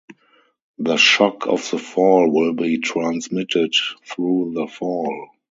The shock of the fall will be transmitted through the fall.